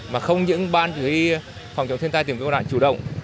mà không những ban chủ y phòng chống thiên tai tìm kiếm đoàn chủ động